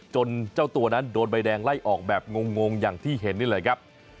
เจ้าตัวนั้นโดนใบแดงไล่ออกแบบงงอย่างที่เห็นนี่แหละครับ